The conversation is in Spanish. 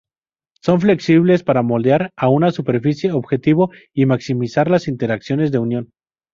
Son flexibles para moldear a una superficie objetivo y maximizar las interacciones de unión.